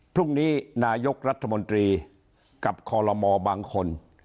พรุ่งนี้นายกรัฐมนตรีกับคอลโลมอบางคน